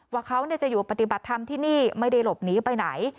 ว่าเขาจะอยู่ปฏิบัติธรรมที่นี่ไม่ได้หลบหนีไปไหน